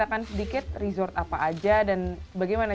kebanyakan hasilnya jadi seperti mana